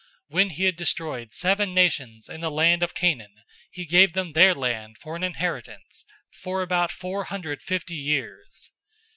013:019 When he had destroyed seven nations in the land of Canaan, he gave them their land for an inheritance, for about four hundred fifty years.